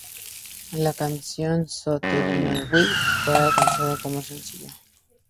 La canción So Tell Me Why fue lanzada como sencillo.